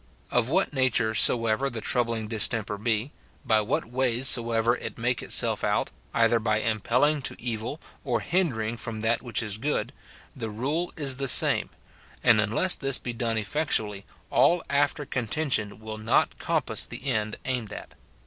Of what nature so ever the troubling distemper be, by what ways soever it SIN IN BELIEVERS. 195 make itself out, either by impelling to evil or hindering from that which is good, the rule is the same ; and un less this be done effectually, all after contention will not compass the end aimed at.